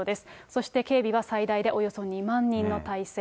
そして警備は最大でおよそ２万人の態勢。